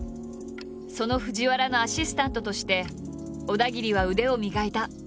その藤原のアシスタントとして小田切は腕を磨いた。